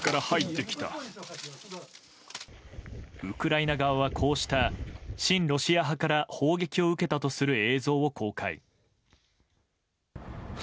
ウクライナ側はこうした親ロシア派から砲撃を受けたとする映像を公開。